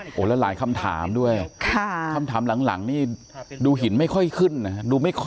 โอ้โหแล้วหลายคำถามด้วยคำถามหลังนี่ดูหินไม่ค่อยขึ้นนะฮะ